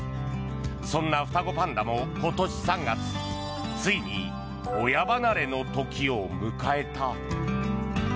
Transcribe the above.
そんな双子パンダも今年３月ついに親離れの時を迎えた。